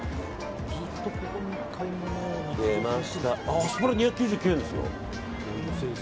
アスパラ２９９円ですよ。